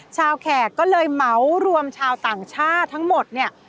แขกก็เลยเหมารวมชาวต่างชาติทั้งหมดเนี่ย